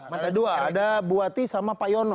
mata dua ada buati sama pak yono